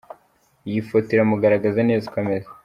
Iyi foto iramugaragaza neza uko ameze.